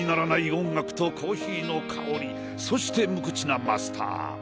音楽とコーヒーの香りそして無口なマスター。